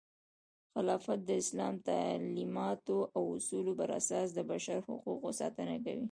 خلافت د اسلامي تعلیماتو او اصولو پراساس د بشر حقونو ساتنه کوي.